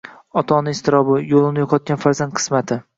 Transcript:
Ota-ona iztirobi, yo‘lini yo‘qotgan farzand qismati...